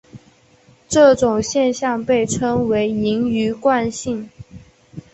这种现象被称为盈余惯性。